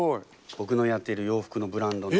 僕のやっている洋服のブランドの。